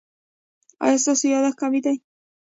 ایا ستاسو یادښت قوي دی؟